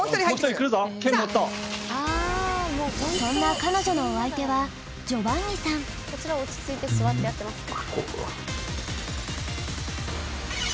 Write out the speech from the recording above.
そんな彼女のお相手はこちら落ち着いて座ってやってますね。